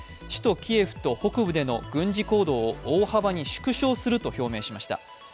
首都キエフと北部での軍事行動を大幅に縮小すると明言しました。